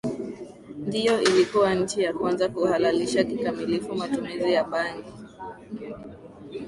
ndiyo ilikuwa nchi ya kwanza kuhalalisha kikamilifu matumizi ya bangi